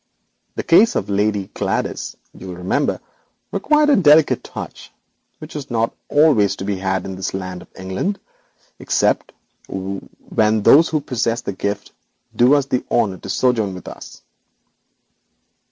The case of Lady Gladys, you will remember, required a delicate touch which is not always to be had in this land of England, except when those who possess the gift do us the honour to sojourn with us.'